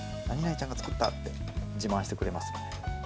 ちゃんが作ったって自慢してくれますので。